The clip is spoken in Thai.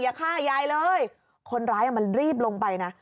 อย่าฆ่ายายเลยคนร้ายมันรีบลงไปนะ